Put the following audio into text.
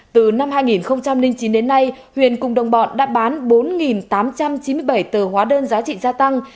từ năm hai nghìn chín đến nay huyền cùng đồng bọn đã bán bốn tám trăm chín mươi bảy tờ hóa đơn giá trị gia tăng